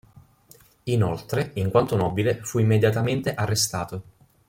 Inoltre, in quanto nobile fu immediatamente arrestato.